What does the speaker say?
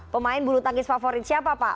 pemain buru tangis favorit siapa pak